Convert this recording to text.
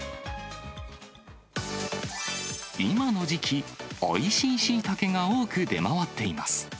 今の時期、おいしいシイタケが多く出回っています。